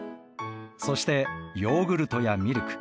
そしてヨーグルトやミルク